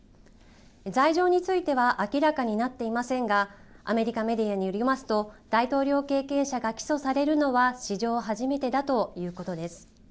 罪状については明らかになっていませんが、アメリカメディアによりますと、大統領経験者が起訴されるのは史上初めてだということです。